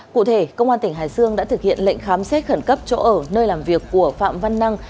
cụ thể công an tỉnh hải dương đã thực hiện lệnh khám xét khẩn cấp chỗ ở nơi làm việc của phạm văn năng